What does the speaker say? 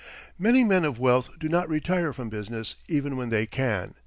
Many men of wealth do not retire from business even when they can.